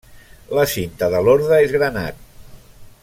La cinta de l'orde és granat.